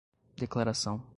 declaração